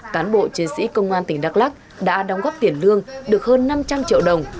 cán bộ chiến sĩ công an tỉnh đắk lắc đã đóng góp tiền lương được hơn năm trăm linh triệu đồng